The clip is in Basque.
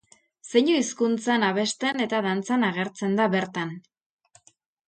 Zeinu hizkuntzan abesten eta dantzan agertzen da bertan.